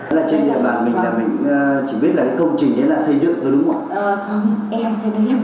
trên địa bàn mình chỉ biết là công trình xây dựng đó đúng không ạ